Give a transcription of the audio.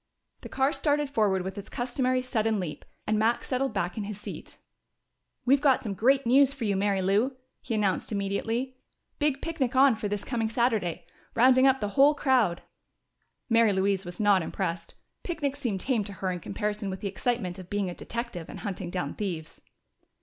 The car started forward with its customary sudden leap, and Max settled back in his seat. "We've got some great news for you, Mary Lou," he announced immediately. "Big picnic on for this coming Saturday! Rounding up the whole crowd." Mary Louise was not impressed. Picnics seemed tame to her in comparison with the excitement of being a detective and hunting down thieves.